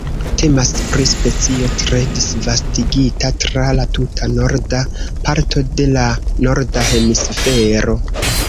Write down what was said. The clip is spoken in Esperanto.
Temas pri specio tre disvastigita tra la tuta norda parto de la Norda Hemisfero.